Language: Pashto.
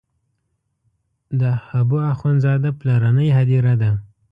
د حبو اخند زاده پلرنۍ هدیره ده.